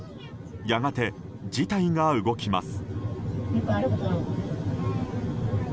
やがて、事態が動きます。